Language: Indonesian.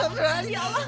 raffi ya allah